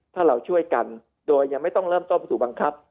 ถ้าเราช่วยกันโดยยังไม่ต้องเริ่มต้นสู่บังคับ